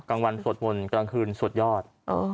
กลางวันสวดมนต์กลางคืนสวดยอด